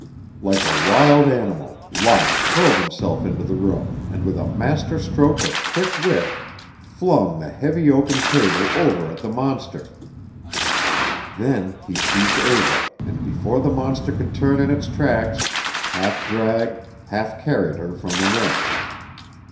Like a wild animal Locke hurled himself into the room and with a master stroke of quick wit flung the heavy oaken table over at the monster. Then he seized Eva, and before the monster could turn in its tracks, half dragged, half carried her from the room.